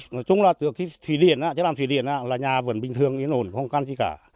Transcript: nói chung là từ khi thủy điện chắc là thủy điện là nhà vườn bình thường yên ổn không căn gì cả